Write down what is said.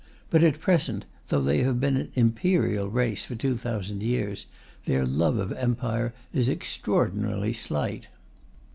But at present, though they have been an imperial race for 2,000 years, their love of empire is extraordinarily slight.